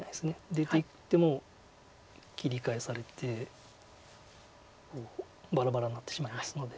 出ていっても切り返されてもうバラバラになってしまいますので。